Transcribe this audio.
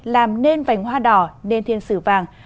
làm nên vành hoa đỏ nên thiên sử vàng